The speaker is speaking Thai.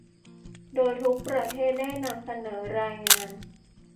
โดยทุกประเทศได้นำเสนอรายงาน